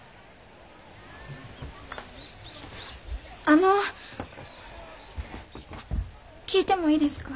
あの聞いてもいいですか？